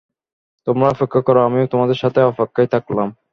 তোমরা অপেক্ষা কর, আমিও তোমাদের সাথে অপেক্ষায় থাকলাম।